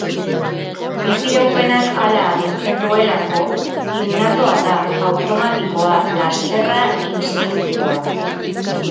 Biziraupenak hala agintzen duelako, innatoa da, automatikoa, lasterra instintiboa.